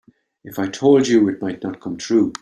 If I told you it might not come true.